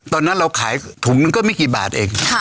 ตอนนั้นเราขายถุงนึงก็ไม่กี่บาทเอง